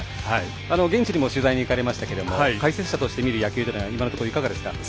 現地にも取材に行かれましたが解説者としてみる野球というのはいかがですか？